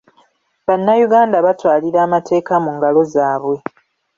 Bannayuganda batwalira amateeka mu ngalo zaabwe.